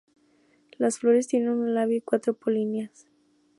Las flores tienen un labio y cuatro polinias.